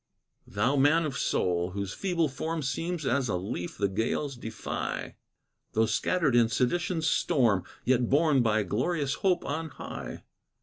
Thou man of soul! whose feeble form Seems as a leaf the gales defy, Though scattered in sedition's storm, Yet borne by glorious hope on high.